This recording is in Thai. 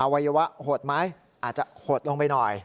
วัยวะหดไหมอาจจะหดลงไปหน่อย